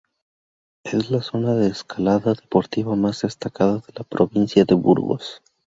Es la zona de escalada deportiva más destacada de la provincia de Burgos.